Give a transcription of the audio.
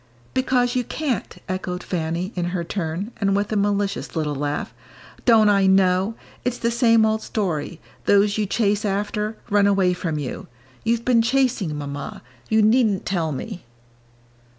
"Because you can't," echoed Fanny, in her turn, and with a malicious little laugh. "Don't I know? it's the same old story those you chase after, run away from you. You've been chasing, Mamma; you needn't tell me."